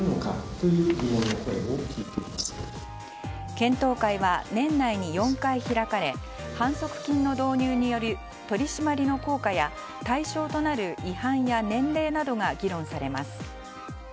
検討会は年内に４回開かれ反則金の導入による取り締まりの効果や対象となる違反や年齢などが議論されます。